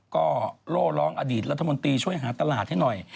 ก็โล่ร้องอดีตรัฐมนตรีช่วยหาตลาดให้หน่อย